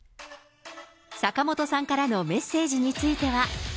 坂本さんからのメッセージについては。